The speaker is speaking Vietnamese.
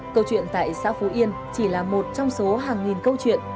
câu chuyện tại xã phú yên chỉ là một trong số hàng nghìn câu chuyện